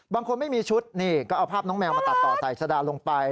ไม่มีชุดนี่ก็เอาภาพน้องแมวมาตัดต่อใส่สะดาลงไป